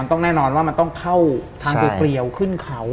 ต้องแน่นอนว่ามันต้องเข้าทางเกลียวขึ้นเขา